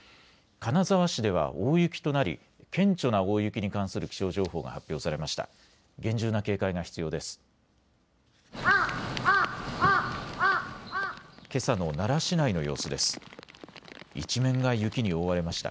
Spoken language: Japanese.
金沢市では大雪となり顕著な大雪に関する気象情報が発表されました。